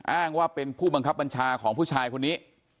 อ้างว่าเป็นผู้บังคับบัญชาของผู้ชายคนนี้